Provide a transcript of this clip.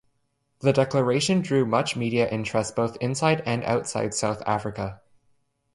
The declaration drew much media interest both inside and outside South Africa.